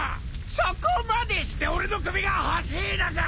そこまでして俺の首が欲しいのか！？